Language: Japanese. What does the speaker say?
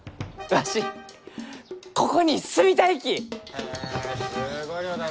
へえすごい量だな。